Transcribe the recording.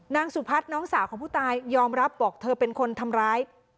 สุพัฒน์น้องสาวของผู้ตายยอมรับบอกเธอเป็นคนทำร้าย